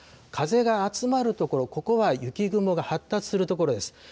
風が集まる所、ここは雪雲が発達する所です。